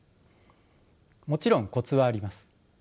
もちろんコツはあります。